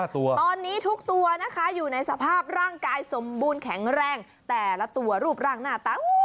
ตอนนี้ทุกตัวนะคะอยู่ในสภาพร่างกายสมบูรณ์แข็งแรงแต่ละตัวรูปร่างหน้าตัง